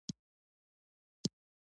افغانستان د لوگر کوربه دی.